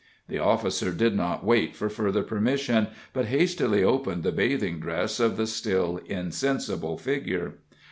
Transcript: The officer did not wait for further permission, but hastily opened the bathing dress of the still insensible figure.